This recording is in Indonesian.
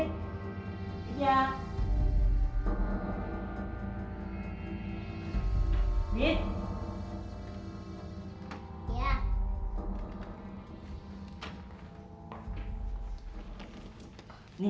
nanti aku langsung balik